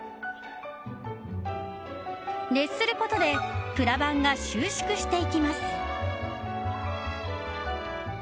熱することでプラバンが収縮していきます。